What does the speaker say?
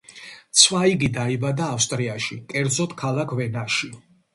ცვაიგი დაიბადა ავსტრიაში, კერძოდ ქალაქ ვენაში.